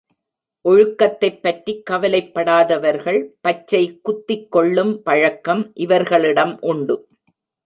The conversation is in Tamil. ஒழுக்கத்தைப் பற்றிக் கவலைப்படாதவர்கள், பச்சை குத்திக்கொள்ளும் பழக்கம் இவர்களிடம் உண்டு.